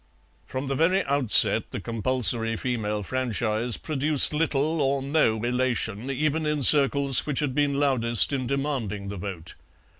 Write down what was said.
From the very outset the Compulsory Female Franchise produced little or no elation even in circles which had been loudest in demanding the vote.